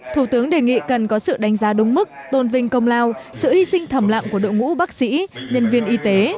thủ tướng đề nghị cần có sự đánh giá đúng mức tôn vinh công lao sự hy sinh thầm lặng của đội ngũ bác sĩ nhân viên y tế